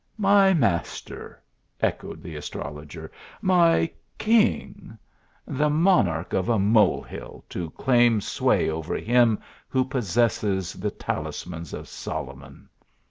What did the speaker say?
" My master ! echoed the istrologer, my king ! The monarch of a mole hill to claim sway over him who possesses the talismans of Solomon.